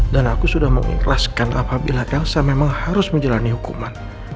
aku sudah mengikhlaskan apabila elsa memang harus menjalani hukuman